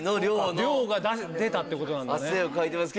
量が出たってことなんだねは。